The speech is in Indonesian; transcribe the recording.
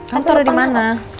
kamu taruh dimana